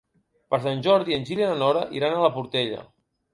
Per Sant Jordi en Gil i na Nora iran a la Portella.